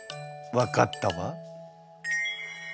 分かったわ。